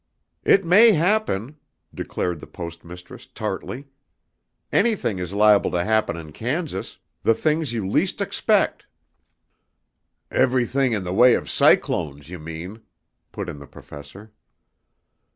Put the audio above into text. "It may happen," declared the Post Mistress tartly. "Anything is liable to happen in Kansas, the things you least expect." "Everything in the way of cyclones, you mean," put in the Professor.